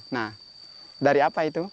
nah dari apa itu